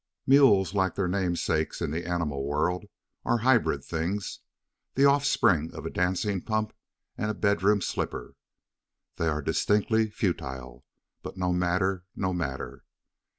Mules, like their namesakes in the animal world, are hybrid things, the offspring of a dancing pump and a bedroom slipper. They are distinctly futile, but no matter, no matter.